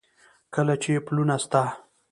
کله چې پلونه ستا،